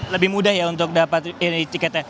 lebih mudah ya untuk dapat ini tiketnya